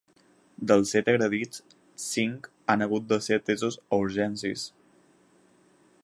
Dels set agredits, cinc han hagut de ser atesos a urgències.